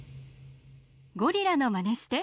ゴリラのまねして。